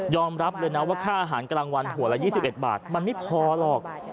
รับเลยนะว่าค่าอาหารกลางวันหัวละ๒๑บาทมันไม่พอหรอก